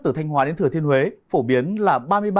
từ thanh hóa đến thừa thiên huế phổ biến là